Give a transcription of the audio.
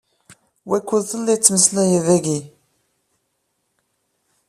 Wukud telliḍ tettmeslayeḍ dahi?